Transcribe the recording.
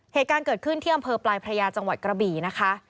เหตุการณ์เกิดขึ้นที่อำเภอปลายพระยาจังหวัดกระบี่นะคะ